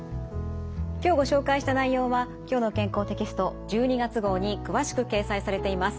今日ご紹介した内容は「きょうの健康」テキスト１２月号に詳しく掲載されています。